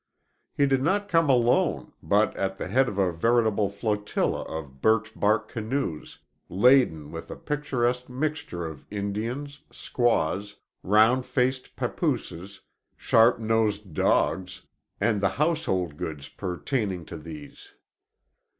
He did not come alone, but at the head of a veritable flotilla of birch bark canoes, laden with a picturesque mixture of Indians, squaws, round faced pappooses, sharp nosed dogs, and the household goods pertaining to these.